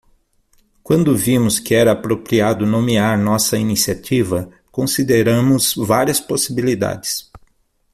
Quando vimos que era apropriado nomear nossa iniciativa, consideramos várias possibilidades.